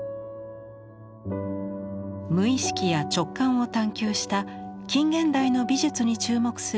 無意識や直感を探求した近現代の美術に注目する展覧会です。